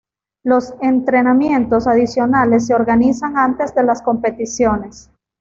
Los entrenamientos adicionales se organizan antes de las competiciones.